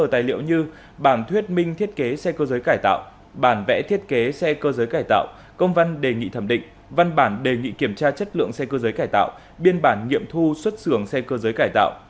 tài liệu như bản thuyết minh thiết kế xe cơ giới cải tạo bản vẽ thiết kế xe cơ giới cải tạo công văn đề nghị thẩm định văn bản đề nghị kiểm tra chất lượng xe cơ giới cải tạo biên bản nghiệm thu xuất xưởng xe cơ giới cải tạo